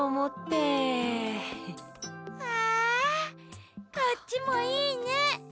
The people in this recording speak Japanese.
わこっちもいいね。